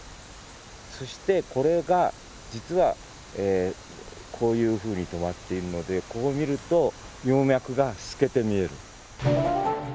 そしてこれが実はこういうふうに止まっているのでこう見ると葉脈が透けて見える。